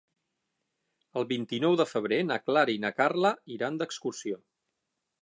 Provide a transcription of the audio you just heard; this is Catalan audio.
El vint-i-nou de febrer na Clara i na Carla iran d'excursió.